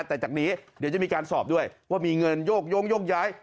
แต่จากนี้เดี๋ยวจะมีการสอบด้วยว่ามีเงินโยกย้งโยกย้าย